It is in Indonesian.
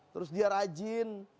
terus dia rajin